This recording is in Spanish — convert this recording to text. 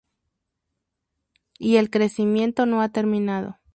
Y el crecimiento no ha terminado.